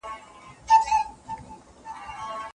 استاد رحیم بخش